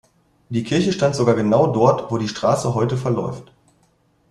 Die Kirche stand sogar genau dort, wo die Straße heute verläuft.